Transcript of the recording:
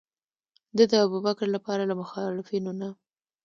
ده د ابوبکر لپاره له مخالفینو نه.